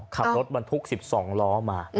ขับรถบรรทุก๑๒ล้อมา